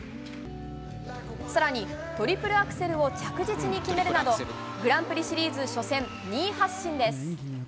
さらにトリプルアクセルを着実に決めるなど、グランプリシリーズ初戦、２位発進です。